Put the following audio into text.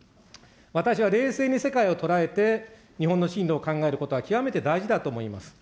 私は冷静に世界を捉えて、日本の進路を考えることは極めて大事だと思います。